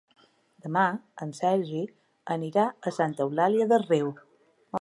Demà en Sergi anirà a Santa Eulària des Riu.